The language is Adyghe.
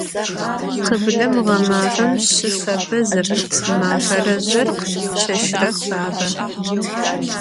Khıblem ğemafem şıfebe zepıt, mafere zjorkhı, çeşıre fabe.